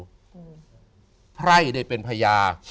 ใครได้เป็นพญา